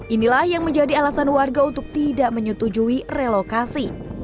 inilah yang menjadi alasan warga untuk tidak menyetujui relokasi